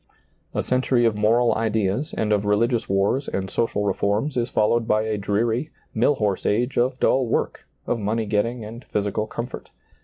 A century of moral ideas and of religious wars and social reforms is followed by a dreary, mill horse age of dull work, of money getting and physical comfort.